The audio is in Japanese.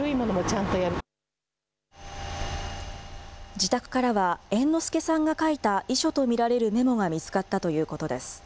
自宅からは猿之助さんが書いた遺書とみられるメモが見つかったということです。